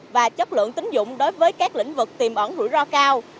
và chất lượng tính dụng đối với các lĩnh vực tiềm ẩn rủi ro cao